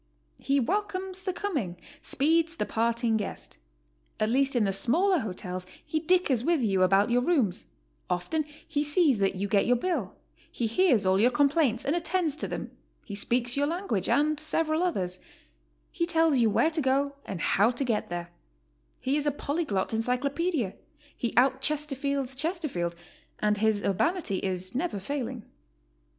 He welcomes the coming, speeds the parting guest: at least in the smaller hotels he dickers with you about your rooms: often he sees that you get your bill; he hears all your complaints, and attends to them; he speaks your language, and several others; he tells you where to go and how to get there; he is a polyglot encyclopedia: he out Chesterfields Chesterfield, and his ur banity is never failing.